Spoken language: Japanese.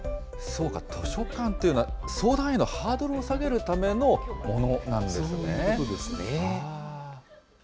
図書館というのは、相談へのハードルを下げるためのものなんそういうことですね。